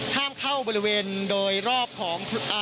ห้ามเข้าบริเวณโดยรอบของ